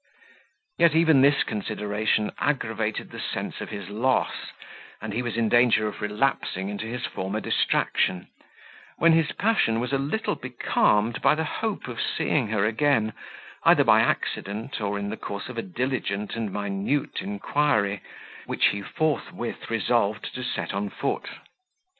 Yet even this consideration aggravated the sense of his loss, and he was in danger of relapsing into his former distraction, when his passion was a little becalmed by the hope of seeing her again, either by accident or in the course of a diligent and minute inquiry, which he forthwith resolved to set on foot.